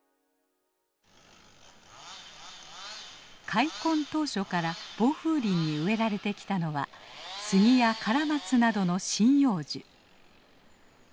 開墾当初から防風林に植えられてきたのはスギやカラマツなどの針葉樹。